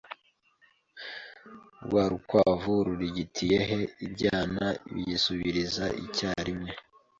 rwa rukwavu rurigitiye he Ibyana biyisubiriza icyarimwe